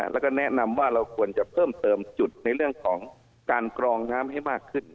แล้วก็แนะนำว่าเราควรจะเพิ่มเติมจุดในเรื่องของการกรองน้ำให้มากขึ้น